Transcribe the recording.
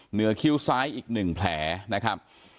คิ้วซ้ายอีก๑แผลนะครับ